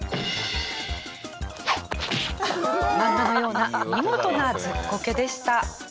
漫画のような見事なズッコケでした。